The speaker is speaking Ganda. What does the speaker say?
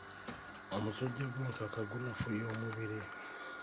Omusujja gw'enkaka gunafuya omubiri.